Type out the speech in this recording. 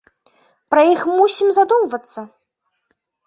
Пра іх мусім задумвацца?!